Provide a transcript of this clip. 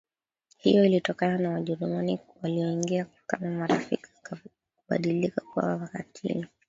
Hiyo ilitokana na Wajerumani walioingia kama marafikina kubadilika kuwa makatiili